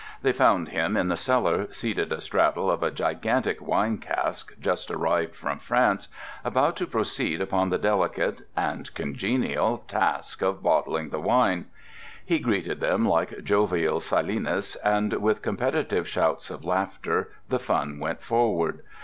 They found him in the cellar, seated astraddle of a gigantic wine cask just arrived from France, about to proceed upon the delicate (and congenial) task of bottling the wine. He greeted them like jovial Silenus, and with competitive shouts of laughter the fun went forward.